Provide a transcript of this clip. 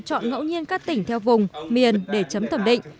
chọn ngẫu nhiên các tỉnh theo vùng miền để chấm thẩm định